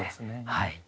はい。